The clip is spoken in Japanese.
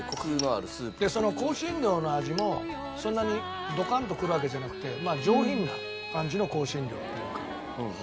その香辛料の味もそんなにドカンとくるわけじゃなくて上品な感じの香辛料というか。